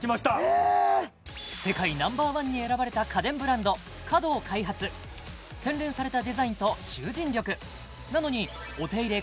えっ世界Ｎｏ．１に選ばれた家電ブランドｃａｄｏ開発洗練されたデザインと集塵力なのにお手入れ